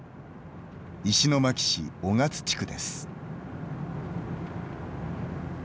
石巻市雄勝地区です。